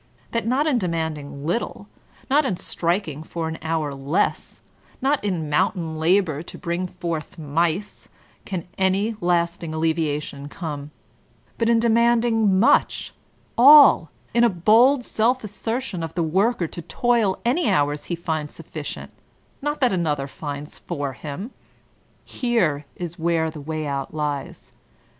That not m demanding little, not in striking for an hour The Eleventh op November, 1887 167 less, not in mountain labor to bring forth mice, can any lasting alleviation come ; but in demanding, much, — all, — in a bold self assertion of the worker to toil any hours he finds sufficient, not that another finds for him, — here is where the way out lies.